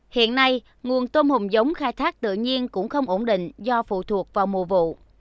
hiện nay nguồn tôm hùm giống khai thác tự nhiên cũng không ổn định do phụ thuộc vào mùa vụ